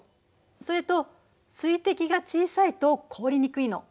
それと水滴が小さいと凍りにくいの。